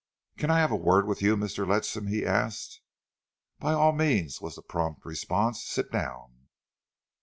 "Can I have a word with you, Mr. Ledsam?" he asked. "By all means," was the prompt response. "Sit down."